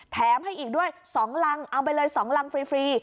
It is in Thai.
แถมให้อีกด้วย๒รังเอาไปเลย๒รังฟรี